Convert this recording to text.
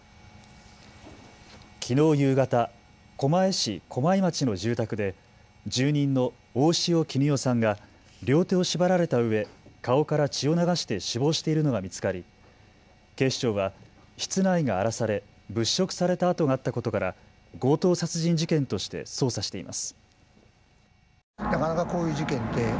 きのう夕方、狛江市駒井町の住宅で住人の大塩衣與さんが両手を縛られたうえ顔から血を流して死亡しているのが見つかり警視庁は室内が荒らされ物色された跡があったことから強盗殺人事件として捜査しています。